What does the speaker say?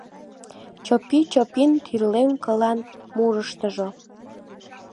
Чопи-чопин тӱрлем кылан мурыштыжо